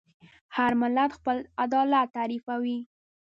هر ملت خپل عدالت تعریفوي.